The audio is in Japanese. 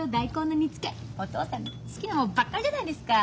お父さんの好きなものばっかりじゃないですか！